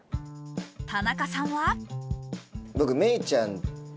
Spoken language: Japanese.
田中さんは？